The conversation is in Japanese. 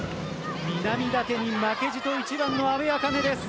南舘に負けじと１番の阿部明音です。